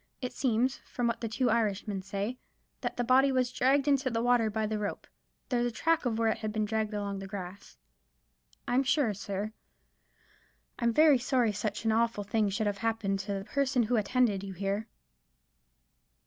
It seems, from what the two Irishmen say, that the body was dragged into the water by the rope. There was the track of where it had been dragged along the grass. I'm sure, sir, I'm very sorry such an awful thing should have happened to the—the person who attended you here."